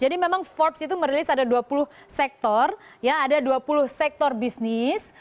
jadi memang forbes itu merilis ada dua puluh sektor ada dua puluh sektor bisnis